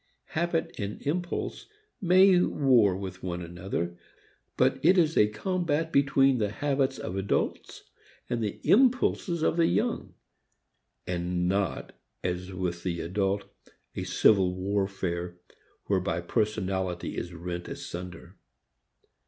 Habit and impulse may war with each other, but it is a combat between the habits of adults and the impulses of the young, and not, as with the adult, a civil warfare whereby personality is rent asunder.